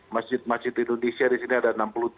masjid masjid indonesia di sini ada enam puluh tujuh